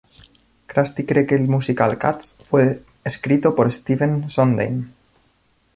Krusty cree que el musical "Cats" fue escrito por Stephen Sondheim.